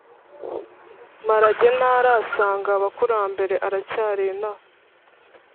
mbarage ntarasanga abakurambere aracyari inaha